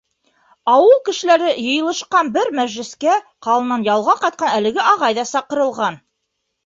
Ауыл кешеләре йыйылышҡан бер мәжлескә ҡаланан ялға ҡайтҡан әлеге ағай ҙа саҡырылған.